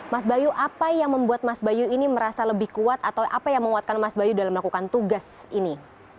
mas bayu apa yang membuat mas bayu ini merasa lebih kuat atau apa yang menguatkan mas bayu dalam melakukan tugas ini